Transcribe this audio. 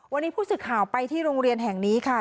วันนี้ผู้สื่อข่าวไปที่โรงเรียนแห่งนี้ค่ะ